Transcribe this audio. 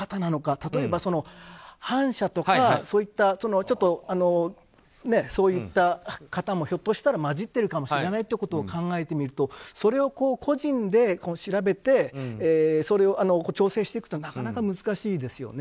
例えば反社とかそういった方もひょっとしたら混じっているかもしれないということを考えてみるとそれを個人で調べて調整していくというのはなかなか難しいですよね。